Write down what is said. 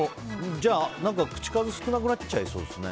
じゃあ、口数少なくなっちゃいそうですね。